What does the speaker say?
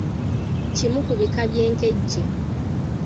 Kimu ku bika by'enkejje.